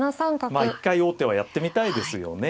まあ一回王手はやってみたいですよね。